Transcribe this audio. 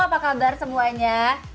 apa kabar semuanya